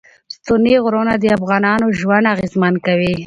ستوني غرونه د افغانانو ژوند اغېزمن کوي.